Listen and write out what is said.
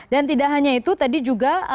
dan tidak hanya itu tadi juga